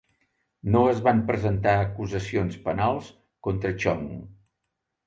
No es van presentar acusacions penals contra Chong.